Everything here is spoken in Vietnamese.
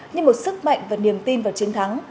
như một sức mạnh và niềm tin vào chiến thắng